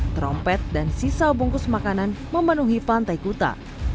trompet dan sisa bungkus makanan memenuhi pantai kuta